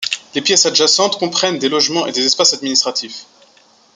Les pièces adjacentes comprennent des logements et des espaces administratifs.